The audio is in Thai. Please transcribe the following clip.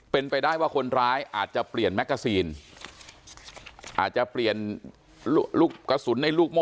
เป็นไปได้ว่าคนร้ายอาจจะเปลี่ยนแมกกาซีนอาจจะเปลี่ยนลูกกระสุนในลูกโม่